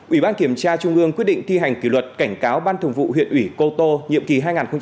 ủy ban kiểm tra trung ương quyết định thi hành kỷ luật cảnh cáo ban thường vụ huyện ủy cô tô nhiệm kỳ hai nghìn một mươi năm hai nghìn hai mươi